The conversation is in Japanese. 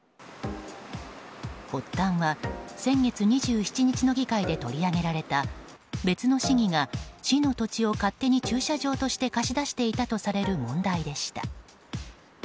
発端は先月２７日の議会で取り上げられた別の市議が市の土地を勝手に駐車場として貸し出していたとされる問題でした。